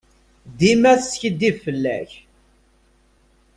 Dima teskidib fell-ak.